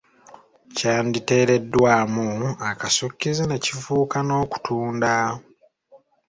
Kyanditeereddwamu akasukkize ne kifuuka n’okutunda.